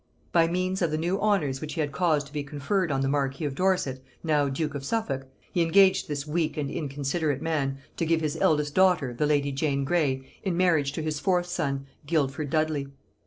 By means of the new honors which he had caused to be conferred on the marquis of Dorset, now duke of Suffolk, he engaged this weak and inconsiderate man to give his eldest daughter, the lady Jane Grey, in marriage to his fourth son Guildford Dudley.